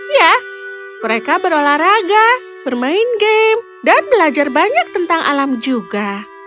ya mereka berolahraga bermain game dan belajar banyak tentang alam juga